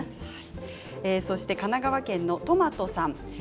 神奈川県の方からです。